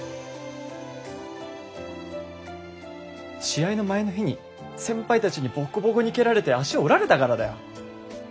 試合の前の日に先輩たちにボッコボコに蹴られて足折られたからだよ。